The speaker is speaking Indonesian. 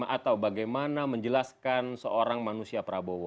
apa sebenarnya bagaimana menjelaskan seorang manusia prabowo